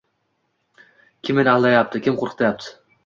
Kim meni alqayapti, kim qo‘rqityapti…